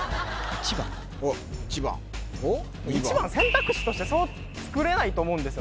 １番おっ１番１番選択肢としてそう作れないと思うんですよ